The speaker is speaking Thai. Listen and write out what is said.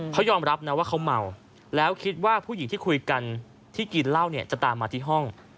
เขายอมรับนะว่าเขาเมาแล้วคิดว่าผู้หญิงที่คุยกันที่กินเหล้าเนี่ยจะตามมาที่ห้อง